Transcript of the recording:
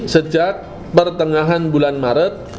sejak pertengahan bulan maret